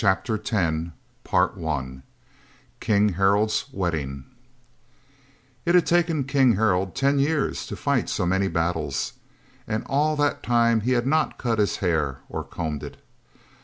King Harald's Wedding It had taken King Harald ten years to fight so many battles. And all that time he had not cut his hair or combed it.